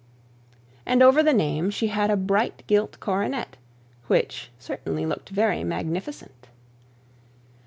And over the name she had a bright gilt coronet, which certainly looked very magnificent.